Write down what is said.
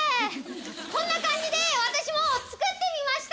こんな感じで私も作ってみました。